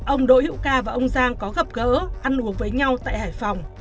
ông đỗ hữu ca và ông giang có gặp gỡ ăn uống với nhau tại hải phòng